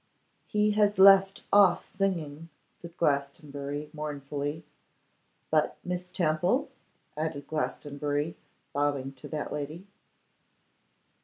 'He has left off singing,' said Glastonbury, mournfully. 'But Miss Temple?' added Glastonbury, bowing to that lady.